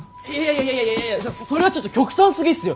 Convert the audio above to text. いやいやそれはちょっと極端すぎっすよ。